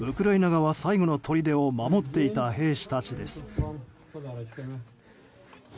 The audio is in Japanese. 側最後のとりでを守っていた兵士たちです。